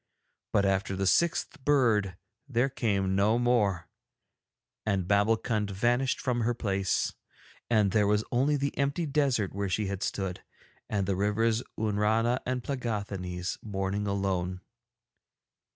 But after the sixth bird there came no more, and Babbulkund vanished from her place, and there was only the empty desert where she had stood, and the rivers Oonrana and Plegáthanees mourning alone.